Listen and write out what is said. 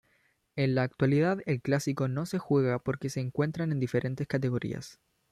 En la actualidad el clásico no se juega porque se encuentran en diferentes categorías.